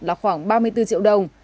là khoảng ba mươi bốn triệu đồng